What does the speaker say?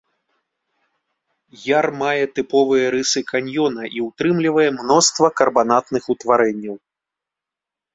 Яр мае тыповыя рысы каньёна і ўтрымлівае мноства карбанатных утварэнняў.